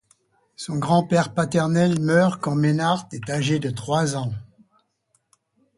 Son grand-père paternel meurt quand Meinhard est âgé de trois ans.